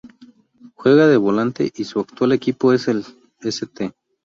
Juega de Volante y su actual equipo es el St.